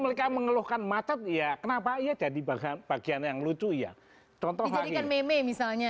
mereka mengeluhkan matahari ya kenapa ia jadi bahan bagian yang lucu ya contohnya misalnya